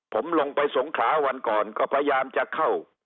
ผมลงไปสงขาวันก่อนก็พยายามจะเข้า